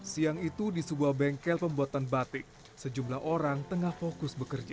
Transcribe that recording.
siang itu di sebuah bengkel pembuatan batik sejumlah orang tengah fokus bekerja